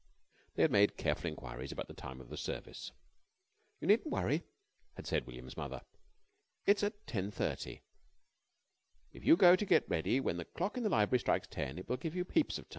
They had made careful inquiries about the time of the service. "You needn't worry," had said William's mother. "It's at 10.30, and if you go to get ready when the clock in the library strikes ten it will give you heaps of time."